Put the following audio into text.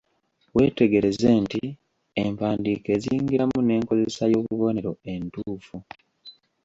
Weetegereze nti empandiika ezingiramu n’enkozesa y’obubonero entuufu.